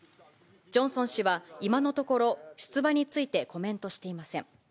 ジョンソン氏は、今のところ、出馬についてコメントしていません。